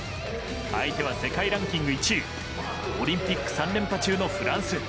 相手は世界ランキング１位オリンピック３連覇中のフランス。